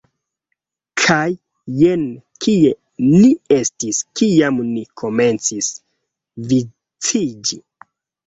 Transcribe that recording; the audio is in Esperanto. Kaj jen kie ni estis kiam ni komencis viciĝi